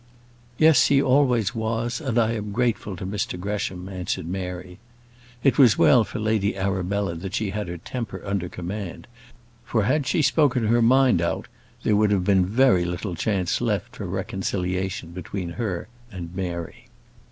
"Yes, he always was, and I am grateful to Mr Gresham," answered Mary. It was well for Lady Arabella that she had her temper under command, for had she spoken her mind out there would have been very little chance left for reconciliation between her and Mary.